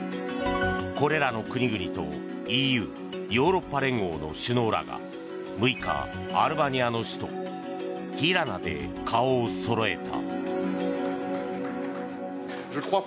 これらの国々とＥＵ・ヨーロッパ連合の首脳らが６日、アルバニアの首都ティラナで顔をそろえた。